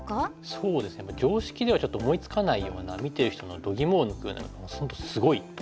そうですね常識ではちょっと思いつかないような見てる人のどぎもを抜くようなすごい手みたいな。